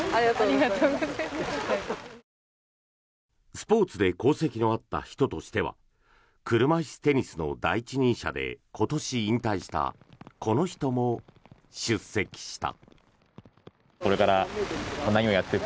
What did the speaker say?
スポーツで功績のあった人としては車いすテニスの第一人者で今年引退したこの人も出席した。